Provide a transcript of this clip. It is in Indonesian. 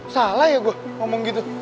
salah ya gue ngomong gitu